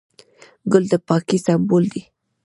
ګل د پاکۍ سمبول دی.